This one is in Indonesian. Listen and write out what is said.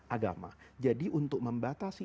agama jadi untuk membatasi